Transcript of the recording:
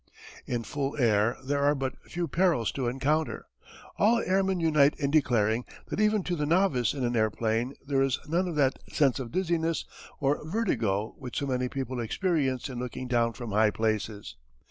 In full air there are but few perils to encounter. All airmen unite in declaring that even to the novice in an airplane there is none of that sense of dizziness or vertigo which so many people experience in looking down from high places.